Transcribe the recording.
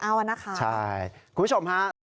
เอ้านะค่ะคุณผู้ชมฮะใช่